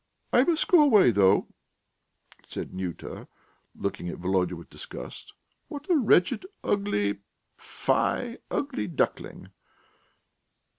"I must go away, though," said Nyuta, looking at Volodya with disgust. "What a wretched, ugly ... fie, ugly duckling!"